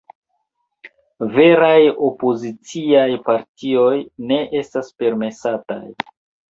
Veraj opoziciaj partioj ne estas permesataj.